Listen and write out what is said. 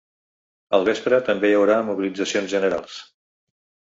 Al vespre també hi haurà mobilitzacions generals.